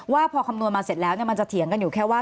ว่าพอคำนวณมาเสร็จแล้วมันจะเถียงกันอยู่แค่ว่า